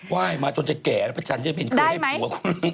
ว่ายมาจนจะแก่แล้วพระจันทร์จะเป็นเครื่องให้ผัวคุณ